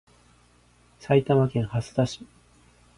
埼玉県蓮田市